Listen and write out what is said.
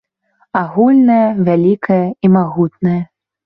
Агульнае, вялікае і магутнае.